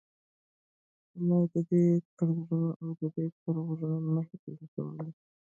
الله د دوى پر زړونو او د دوى په غوږونو مهر لګولى